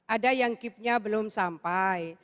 ada yang keepnya belum sampai